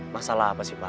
masalah apa sih pak